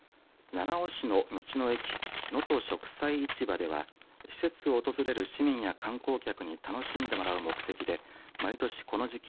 七尾市の道の駅能登食祭市場では施設を訪れる市民や観光客に楽しんでもらう目的で毎年この時期